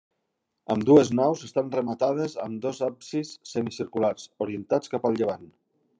Ambdues naus estan rematades amb dos absis semicirculars, orientats cap a llevant.